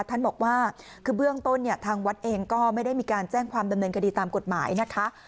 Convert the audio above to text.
ท่านบอกว่าคือเบื้องต้นเนี่ยทางวัดเองก็ไม่ได้มีการแจ้งความดำเนินคดีตามกฎหมายนะคะ